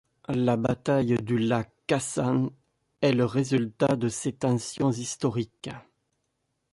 La bataille du lac Khasan est le résultat de ces tensions historiques.